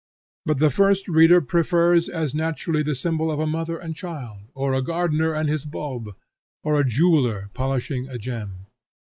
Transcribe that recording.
But the first reader prefers as naturally the symbol of a mother and child, or a gardener and his bulb, or a jeweller polishing a gem.